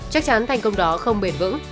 chắc chắn thành công đó không bền vững